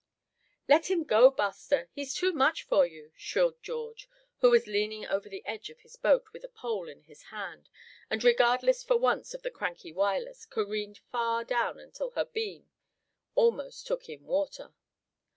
"Let him go, Buster; he's too much for you!" shrilled George, who was leaning over the edge of his boat with a pole in his hand, and regardless for once that the cranky Wireless careened far down until her beam end almost took in water.